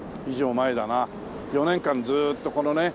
以上前だな４年間ずーっとこのね。